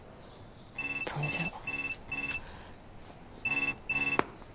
飛んじゃおう。